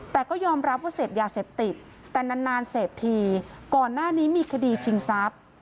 แต่ก็ยอมรับว่าเสพยาเสพติดแต่นานนานเสพทีก่อนหน้านี้มีคดีชิงทรัพย์